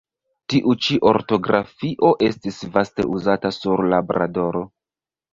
Tiu ĉi ortografio estis vaste uzata sur Labradoro.